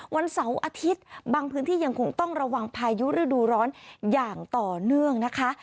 วันเสาร์อาทิตย์บางพื้นที่ยังคงต้องระวังพายุฤดูร้อนอย่างต่อเนื่องนะคะ